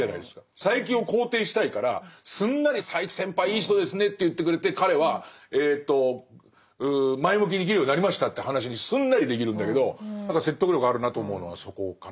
佐柄木を肯定したいからすんなり「佐柄木先輩いい人ですね」って言ってくれて彼は前向きに生きるようになりましたっていう話にすんなりできるんだけど説得力があるなと思うのはそこかな。